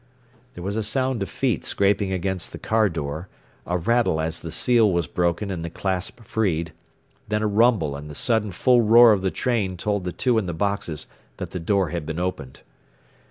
There was a sound of feet scraping against the car door, a rattle as the seal was broken and the clasp freed, then a rumble and the sudden full roar of the train told the two in the boxes that the door had been opened.